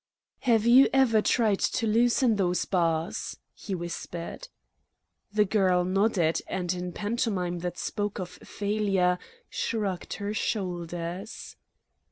"Have you ever tried to loosen those bars?" he whispered. The girl nodded and, in pantomime that spoke of failure, shrugged her shoulders.